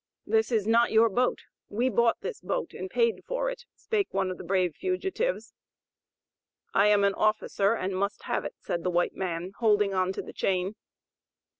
"This is not your boat, we bought this boat and paid for it," spake one of the brave fugitives. "I am an officer, and must have it," said the white man, holding on to the chain.